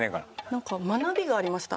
なんか学びがありました。